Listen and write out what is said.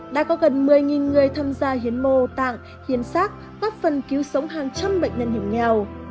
đã có gần một mươi người tham gia hiến mô tạng hiến sát góp phần cứu sống hàng trăm bệnh nhân hiểm nghèo